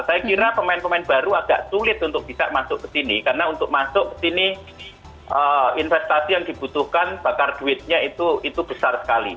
saya kira pemain pemain baru agak sulit untuk bisa masuk ke sini karena untuk masuk ke sini investasi yang dibutuhkan bakar duitnya itu besar sekali